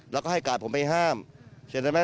แล้วก็ให้กาดผมไปห้ามใช่ไหม